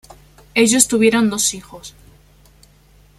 Ellos tuvieron dos hijos.